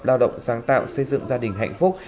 lao động sáng tạo xây dựng gia đình hạnh phúc